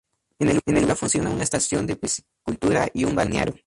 En el lugar funciona una estación de piscicultura y un balneario.